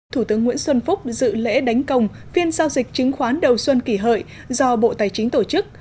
thủ tướng nguyễn xuân phúc dự lễ đánh công phiên giao dịch chứng khoán đầu xuân kỷ hợi do bộ tài chính tổ chức